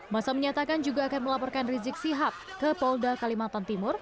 masa menyatakan juga akan melaporkan rizik sihab ke polda kalimantan timur